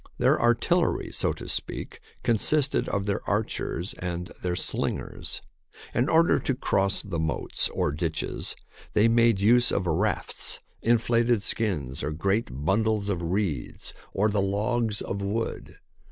Their artillery, so to speak, con sisted of their archers and their slingers. In order to cross the moats, or ditches, they made use of rafts, inflated skins, or great bundles of reeds, or THE BOOK OF FAMOUS SIEGES of logs of wood.